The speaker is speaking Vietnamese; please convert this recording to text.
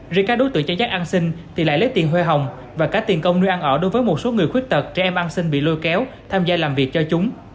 riêng các đối tượng chăn rắt ăn xin thì lại lấy tiền huê hồng và cả tiền công nuôi ăn ỏ đối với một số người khuyết tật trẻ em ăn xin bị lôi kéo tham gia làm việc cho chúng